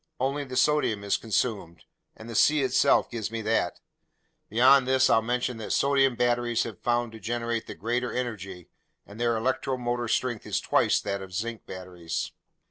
Only the sodium is consumed, and the sea itself gives me that. Beyond this, I'll mention that sodium batteries have been found to generate the greater energy, and their electro motor strength is twice that of zinc batteries."